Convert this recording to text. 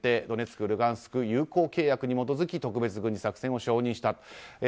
ドネツク、ルガンスク友好契約に基づき特別軍事作戦を承認したと。